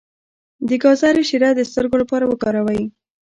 د ګازرې شیره د سترګو لپاره وکاروئ